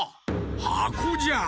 はこじゃ。